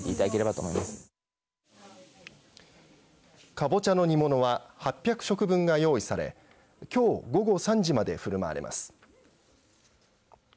カボチャの煮物は８００食分が用意されきょう午後３時までふるまわれます。